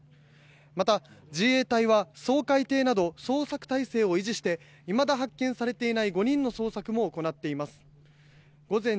また、自衛隊は掃海艇など捜索態勢を維持していまだ発見されていない５人の捜索も行っています。